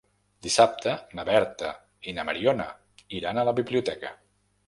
Dissabte na Berta i na Mariona iran a la biblioteca.